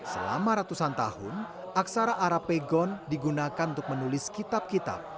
selama ratusan tahun aksara arapegon digunakan untuk menulis kitab kitab